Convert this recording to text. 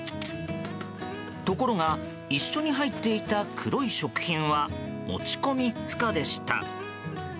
ところが、一緒に入っていた黒い食品は持ち込み不可でした。